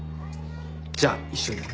じゃあ一緒に。